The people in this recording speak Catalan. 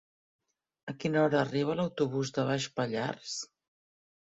A quina hora arriba l'autobús de Baix Pallars?